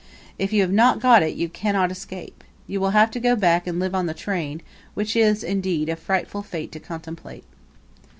If you have not got it you cannot escape. You will have to go back and live on the train, which is, indeed, a frightful fate to contemplate.